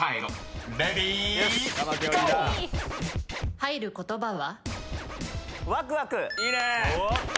入る言葉は？